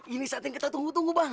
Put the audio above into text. ini saat yang kita tunggu tunggu bang